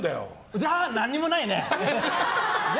じゃあ、何もないね！